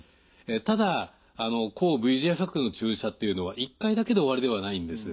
ただ抗ＶＥＧＦ薬の注射っていうのは１回だけで終わりではないんです。